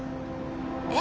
え！？